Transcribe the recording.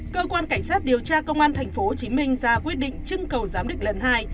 cơ quan cảnh sát điều tra công an tp hcm ra quyết định trưng cầu giám định lần hai